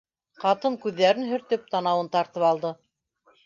Ҡатын күҙҙәрен һөртөп, танауын тартып алды: